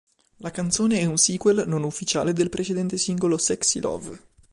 La canzone è un "sequel" non ufficiale del precedente singolo "Sexy Love".